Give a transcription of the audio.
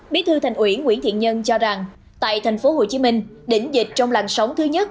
bí thư thành uỷ nguyễn thiện nhân cho rằng tại tp hcm đỉnh dịch trong làn sóng thứ nhất